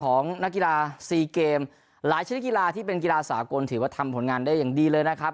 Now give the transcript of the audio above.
ของนักกีฬาซีเกมหลายชนิดกีฬาที่เป็นกีฬาสากลถือว่าทำผลงานได้อย่างดีเลยนะครับ